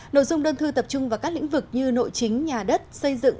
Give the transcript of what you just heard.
nội dung đơn thư tập trung vào các lĩnh vực như nội chính nhà đất xây dựng